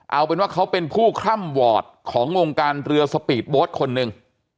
เอาเป็นว่าเขาเป็นผู้คร่ำวอร์ดของวงการเรือสปีดโบ๊ทคนหนึ่ง